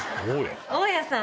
大家さん！